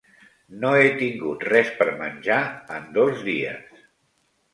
No he tingut res per menjar en dos dies.